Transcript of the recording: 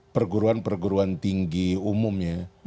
perguruan perguruan tinggi umumnya